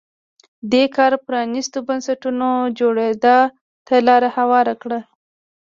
دې کار پرانیستو بنسټونو جوړېدا ته لار هواره کړه.